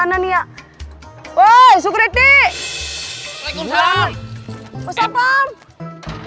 ataupun walaikum salam